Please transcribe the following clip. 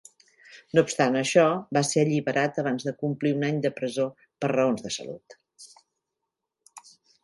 No obstant això, va ser alliberat abans de complir un any de presó per raons de salut.